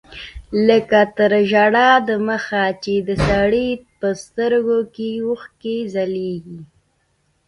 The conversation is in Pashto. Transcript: لکه تر ژړا د مخه چې د سړي په سترګو کښې اوښکې ځلېږي.